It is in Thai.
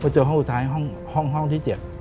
เจอห้องสุดท้ายห้องที่๗